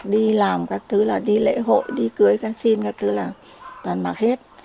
đi làm các thứ là đi lễ hội đi cưới các sinh các thứ là toàn mặc hết